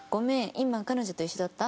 今彼女と一緒だった？